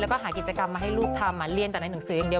แล้วก็หากิจกรรมมาให้ลูกทำเรียนแต่ในหนังสืออย่างเดียว